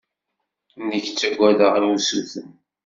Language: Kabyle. Nekk ttaggadeɣ ursuten.